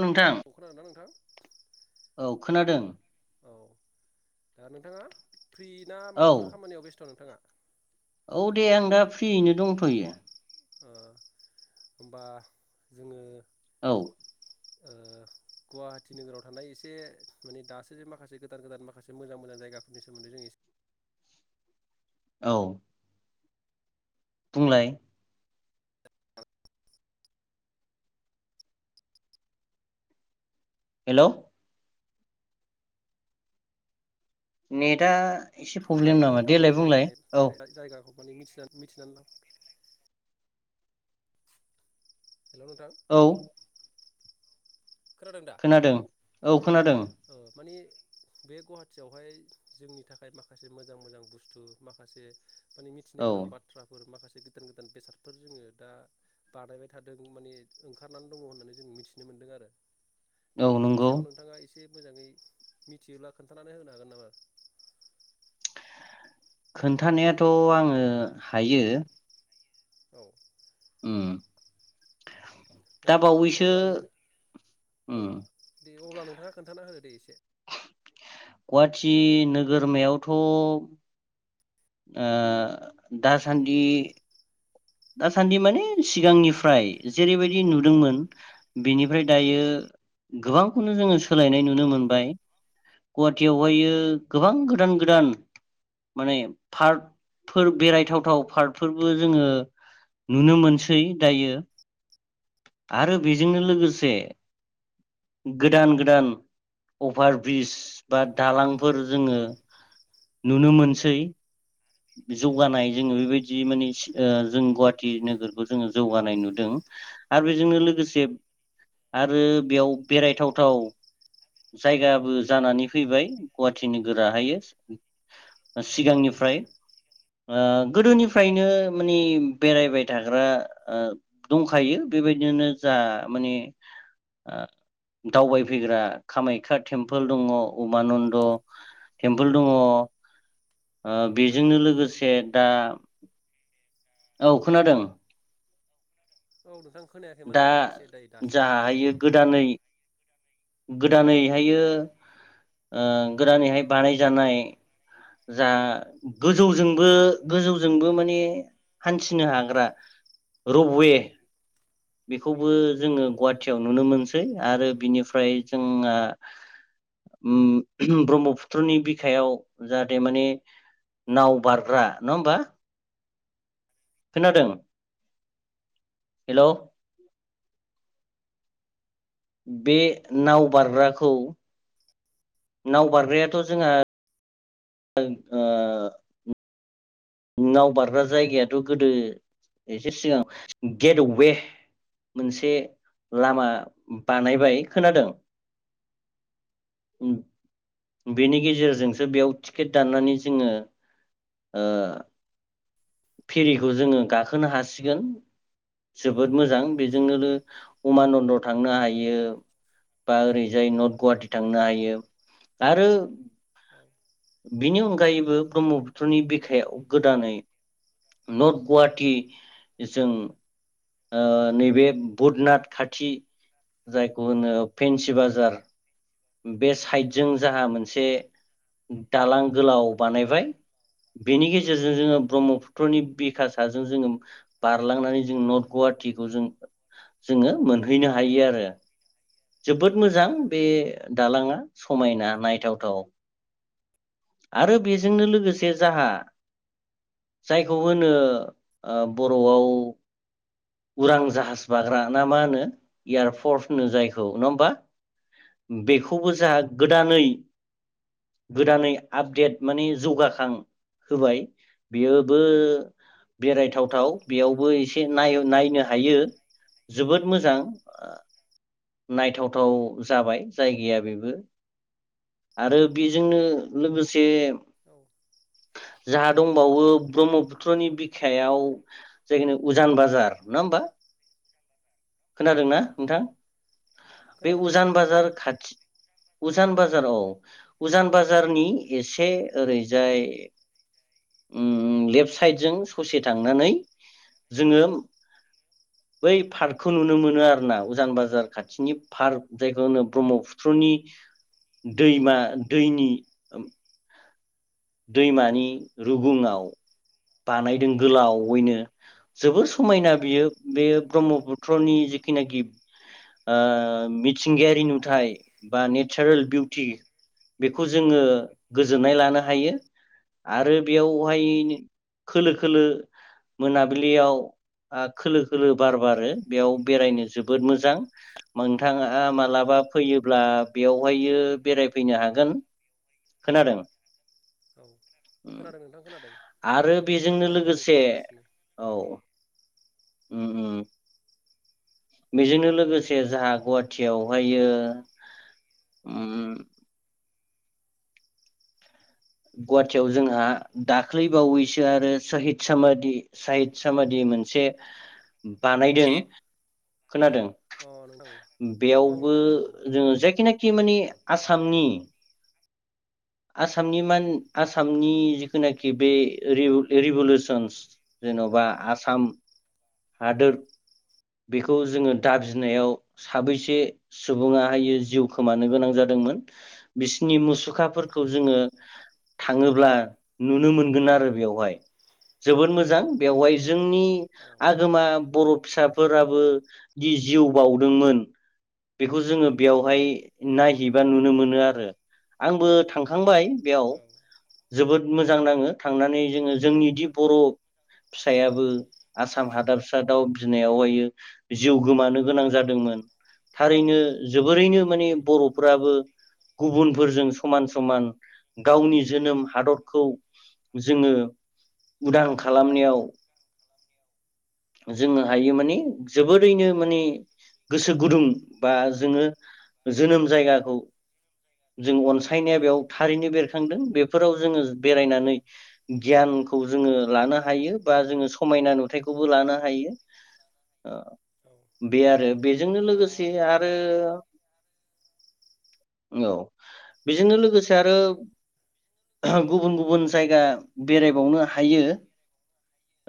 नोंथां औ खोनादोंना नोंथां औ खोनादों औ दा नोंथाङा फ्रि ना औ माबाफोर खामानियाव बेस्थ' नोंथाङा? औ दे आं दा फ्रियैनो दंथ'यो। ओ होमबा जोङो औ। ओ गुवाहाटि नोगोराव थानाय इसे माने दासो जे माखासे गोदान गोदान माखासे मोजां मोजां जायगाफोरनि सोमोन्दै जों एसे औ। बुंलाय हेलौ नेदा नायथावथाव बेराय जायगाखौ माने मिथिना मिथिना हेलौ नोंथां। औ खोनादों। औ। खोनादों ओ माने बे गुहाटियावहाय जोंनि थाखाय माखासे मोजां मोजां बुस्थु माखासे माने मिथिनो औ गोनां बाथ्राफोर माखासे गोदान गोदान बेसादफोर जोङो दा बानायबाय थादों माने ओंखारनान दङ होननानै जों मिथिनो मोन्दों आरो। दा औ बेफोरनि नंगौ सायाव नोंथाङा एसे एसे मोजाङै मिथियोला खोन्थानानै होनो हागोन नामा? खोन्थानायाथ' आंङो हायो। औ। उम दा बावैसो अब्लानो औ उम्म। दे अब्ला नोंथाङा खोन्थाना होदो दे एसे। गवाटि नोगोरमायावथ' ओ दासान्दि दासान्दि माने सिगांनिफ्राय जेरैबायदि नुदोंमोन बेनिफ्राय दायो गोबांखौनो जोङो सोलायनाय नुनो मोनबाय गवाटियावहायो गोबां गोदान गोदान माने पार्कफोर बेरायथावथाव पार्कफोरबो जोङो नुनो मोनसै दायो आरो बेजोंनो लोगोसे गोदान गोदान अभार ब्रिस बा दालांफोर जोंङो नुनो मोनसै। जौगानाय जोङो बेबायदि माने जों गुवाहाटि नोगोरखौ जोङो जौगानाय नुदों औ आरो बेजोंनो लोगोसे आरो बेयाव बेरायथावथाव जायगाबो जानानै फैबाय गुवाहाटि नोगोराहायो सिगांनिफ्राय ओ गोदोनिफ्रायनो माने बेरायबाय थाग्रा दंखायो बेबायदिनो जा माने दावबायफैग्रा कामाख्या टेम्पोल दङ उमानन्द टेम्पोल दङ। ओ हेलौ नोंथां बेजोंनो लोगोसे दा औ खोनादों। औ नोंथां। खोनायाखैमोन दा दहायायो एसे दायो दासो खोनाफिनदों जाहायो दे। गोदानै गोदानैहायो ओ गोदानैहाय बानायजानाय जा गोजौजोंबो गोजौजोंबो माने हान्थिनो हाग्रा रबवे बेखौ खौबो औ जोंङो गुहाटियाव नुनो मोनसै आरो बिनिफ्राय जोंहा ब्रह्मपुत्रनि बिखायाव जाहाथे माने नाव बारग्रा नङा होमबा? खोनादों। हेल'। बे नाव बारग्राखौ नाव बारग्रायाथ' जोंहा ओ नाव बारग्रा जायगायाथ' गोदो एसे सिगां गेट वे मोनसे लामा बानायबाय खोनादों? उम्म। बेनि गेजेरजोंसो बेयाव टिकेट दाननानै जोंङो ओ फेरिखौ जोङो गाखोनो हासिगोन जोबोद मोजां बेजोंनो उमानन्द थांनो हायो बा ओरैजाय नर्थ गुवाहाटि थांनो हायो आरो औ बिनि अनगायैबो ब्रह्मपुत्रनि बिखायाव गोदानै नर्थ गुवाहाटि जों ओ नैबे बुधनाथ खाथि जायखौ होनो फेन्सि बाजार बे साइडजों जाहा मोनसे दालां गोलाव बानायबाय बेनि गे गेजेरजों जोङो ब्रह्मपुत्रनि बेकासाजों जोङो बारलांनानै जों नर्थ गुवाहाटिखौ जों जोङो मोनहैनो हायो आरो जोबोद मोजां बे दालाङा समायना नायथावथाव। आरो बेजोंनो लोगोसे जाहा जायखौ होनो ओ बर'आव उरां जाहाज बाग्रा ना मा होनो एयारफर्स होनो जायखौ नङा होमबा बेखौबो जाहा गोदानै गोदानै आपडेट माने जौगाखां होबाय। बेयोबो बेरायथावथाव बेयावबो एसे नाय नायनो हायो जोबोद मोजां नायथावथाव जाबाय जायगाया बेबो आरो बेजोंनो लोगोस से औ जा दंबावो ब्रह्म पुत्रनि बिखायाव जायखिनि उजान बाजार। नङा होमबा? खोनादों ना औ औ नोंथां? बे खोनादों नोंथां उजान खोनादों बाजार खाथि उजान बाजाराव उजान बा जारनि एसे ओरैजाय उम लेफ्ट साइद जों ससे थांनानै जोङो बै फार्कखौ नुनो मोनो आरोना उजान बाजार खाथिनि फार्क जायखौ होनो ब्रह्मपुत्रनि दैमा दैनि ओम दैमानि रुगुङाव बानायदों गोलावयैनो जोबोर औ समायना बियो बे ब्रह्मपुत्रनि जिखिनाखि ओ मिथिंगायारि नुथाइ बा नेचारेल बिउटि बेखौ जोङो औ उम गोजोननाय लानो हायो आरो बेयावहाय खोलो खोलो मोनाबिलियाव आ खोलो खोलो बार बारो बेयाव बेरायनो जोबोद मोजां। नोंथाङा मालाबा फैयोब्ला बेयावहायो बेरायफैनो हागोन। खोनादों? औ खोनादों नोंथां खोनादों। आरो नोंथांनि बेजोंनो बुंनायखौ आं लोगोसे खोनागासिनो औ उम उम। बेजोंनो लोगोसे जाहा गुवाहाटियाव हायो उम गुवाहाटियाव जोंहा दाख्लै बावैसो आरो सहित सामादि सहित सामादि मोनसे बानायदों। खोनादों? अ नोंथां औ बेयावबो नोंथां औ औ उम औ जोङो जायखिनाखि माने आसामनि आसामनि मान आसामनि जिखुनाखि बे रिभु-रिभुलुसनस जेन'बा आसाम हादोर बेखौ जोङो दाबिनायाव साबैसे सुबुङाहायो जिउ खोमानो गोनां जादोंमोन बिसनि मुसुखाफोर खौ जोङो थाङोब्ला नुनो मोनगोन आरो बेवहाय। जोबोद मोजां बेवहाय जोंनि आगोमा बर' फिसाफोराबो दि जिउ बावदोंमोन बेखौ जोङो बेवहाय नायहैबा नुनो मोनो आरो आंबो थां खांबाय औ। जोबोद मोजां नाङो थांनानै जोङो उम जोंनि दि बर' फिसायाबो आसाम हादाबसा दाउ बिनायावहायो जिउ गोमानो गोनां जादोंमोन थारैनो। जोबोरैनो माने उम बर'फोराबो गुबुनफोरजों समान समान गावनि जोनोम हादरखौ जोङो उदां खालामनायाव जोङो हायो माने जोबोरैनो माने गोसो गुदुं बा जोङो जोनोम जायगाखौ जों अन सायनाया बेयाव थारैनो बेरखांदों। बेफोराव जोङो बेरायनानै उम गियानखौ जोङो लानो हायो बा जोङो समायना नुथायखौबो लानो हायो। औ बे आरो बेजोंनो दा लोगोसे ओ आरो औ। बेजोंनो लोगोसे आरो गुबुन गुबुन जायगा बेरायबावनो हायो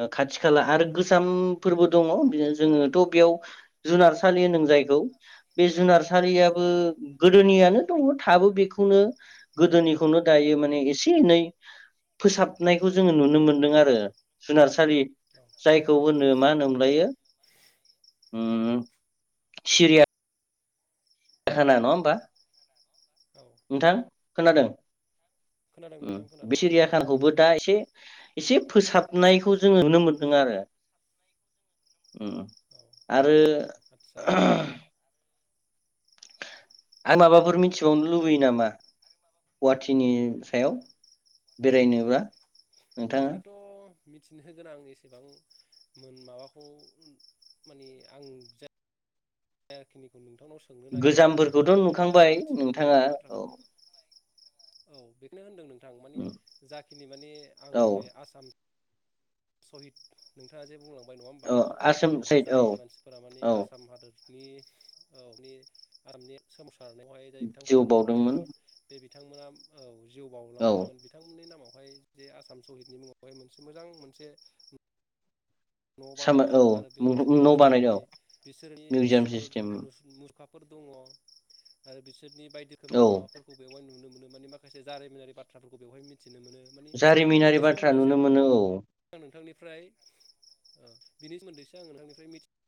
ओ खाथि खालाहा आरो गोजामफोरबो दङ' जोङोथ' बेयाव जुनारसालि होनदों जाय खौ। बे जुनार उम सारियाबो गोदोनियानो दङो। थाबो बे खौनो गोदोनिखौनो दायो माने एसे एनै फोसाबनायखौ जोङो नुनो मोनदों आरो जुनारसालि औ औ जायखौ होनो मा होनोमोनलायो उम सिरिया खाना नङा होमबा औ नोंथां। खोनादों? खोनादों ओम नोंथां बे खोनादों औ सिरियाखानखौबो दा एसे एसे फोसाबनायखौ जोङो नुनो मोनदों आरो उम आरो आदसा आरो माबाफोर मिथिबावनो लुबैयो नामा गुवाहाटिनि सायाव बेरायनोब्ला नोंथाङा ओरैनोथ' मिथिनो गोनां आं एसेबां मोन माबाखौ माने आं जा खिनिखौ नु नोंथांनाव सोंनो नागिरदोंमोन जायनिखौ गोजामफोरखौथ' नोंथांनावनिफ्राय नुखांबाय मिथिनो लुबैदों नोंथाङा बे औ बाथ्राखौ औ बेखौनो होनदों नों थां माने जाखिनि माने औ आंनि बे आसाम सहिद नोंथाङा जे बुंलां बाय नङा होमबा औ आसाम साइद औ जाय मानसिफोरा माने औ आसाम हादोद नि औ नि आसामनि जिउ बावदोंमोन [unintelligible] बिथांमोना औ जिउ औ बाउलांदोंमोन बिथांमोननि नामाव बेवहाय जे आसाम सहिदनि मुङावहाय मोनसे मोजां मोनसे उम न' सामा बानायदों औ आरो बे न'आव निलाम न' बानायदों सिस्टेमनि औ बिसोरनि मिउजियाम मुसुखा सिस्टेम मुखा दङ आरो बि सोरनि बायदि रोखोमनि औ माबाफोरखौ बेवहाय नुनो मोनो माने माखासे जारिमिनारि बाथ्रा फोरखौ बेवहाय मिथि जारिमिनारि बाथ्रा नुनो मोनो औ। आं नोंथांनिफ्राय ओ बिनि सोमोन्दै एसे आं नोंथांनिफ्राय मिथिनो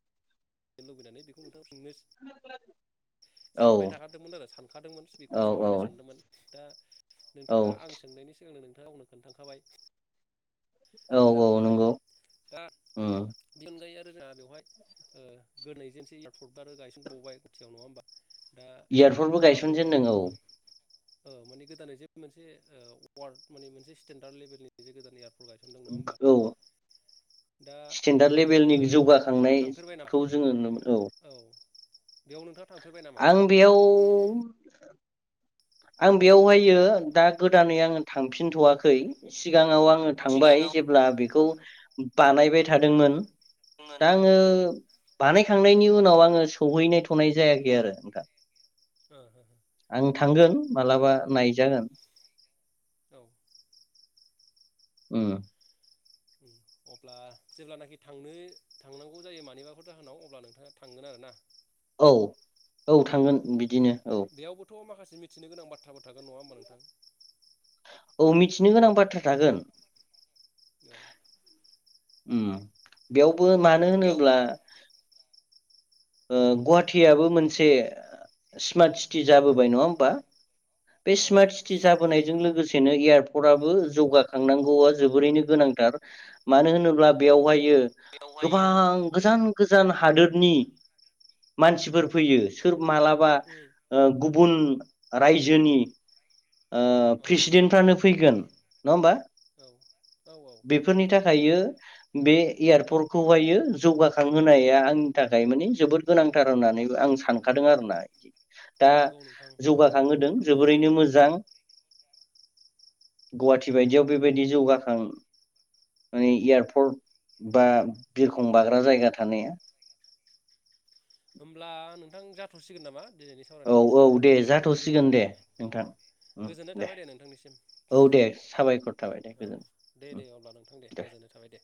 लुबैनानै बेखौ सोंनो औ सानबाय थाखादोंमोन आरो सानखादोंमोन औ बेखौनो औ सावरायनो सानदोंमोन दा औ नोंथाङा आं सोंनायनि सिगांनो नोंथांआ आंनो खोन्थाखाबाय। औ मोजां औ मोनबाय नंगौ दा उम बेनि अनगायै आरो जोंहा बेवहाय ओ [unintelligible] गायसनजानाय खाथियाव नङा होनबा इयारपटबो गायसनजेनदों औ ओ माने गोदानै जे मोनसे ओ वार्ड माने मोनसे स्टेनडार्ड लेभेलनि जे गोदानै औ दा स्टेन्डार्ड बेयावबो लेभेलनि नोंथाङा थांफेरबाय नामा जौगाखांनायखौ जोङो नुनो औ बेयाव नोंथाङा थांफेरबाय नामा आं बेयाव आं बेयावहाय दा गोदानै आङो थांफिनथ'वाखै। सिगाङाव आङो औ थांबाय जेब्ला बेखौ खौ बानायबाय थादोंमोन दा आङो औ ओ बानायखांनायनि उनाव आङो सौहैनाय थ'नाय जायाखै आरो नोंथां हो हो आं थांगोन। मालाबा नायजागोन। औ उम उम अब्ला जेब्लानाखि थांनो थांनांगौ जायो मानिबाफोर जाहोनाव अब्ला नोंथाङा थांगोन आरो ना औ औ थांगोन बिदिनो औ बेयावबोथ' माखासे मिथिनो गोनां बाथ्राबो थागोन नङा होमबा नोंथां औ मिथिनो गोनां बाथ्रा थागोन। औ उम बेयाव मानो होनोब्ला ओ गुवाहाटियाबो मोनसे स्मार्ट सिटि जाबोबाय नङा होमबा बे आरो स्मार्ट सिटि जाबोनायजों लोगोसेनो एयारपर्टआबो जौगाखांनांगौआ जोबोरैनो गोनांथार मानो होनो अब्ला औ बेयावहायो गोबां गोजान गोजान हादोदनि मानसिफोर फैयो सोर मालाबा उम ओ गुबुन रायजोनि ओ औ प्रेसिदेन्टफ्रानो फैगोन नङा होमबा औ औ औ बेफोरनि थाखायो बे एयारपर्टखौहायो जौगाखांहोनाया आंनि थाखाय माने जोबोद गोनांथार होननानैबो आं सानखादों आर ना इदि दा नंगौ नोंथां थारैनो नंगौ जौगाखांहोदों जोबोरैनो मोजां जां गुवाहाटि बायदियाव बेबायदि जौगाखां ओ एयारपर्ट बा बिरखं बाग्रा जायगा थानाया होमब्ला नोंथां जाथ'सिगोन नामा? दिनैनि औ सावरायनायखौ एसे औ इदाव दोनथ दे जासिगोन नामा जाथ'सिगोन दे नोंथां [inaudible] गोजोननाय थाबाय दे नोंथांनिसिम औ दे साबायखर थाबाय दे [inaudible] औ गोजोन दे उम दे अब्ला नोंथां दे गोजोननाय थाबाय दे।